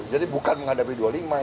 jadi bukan menghadapi dua puluh lima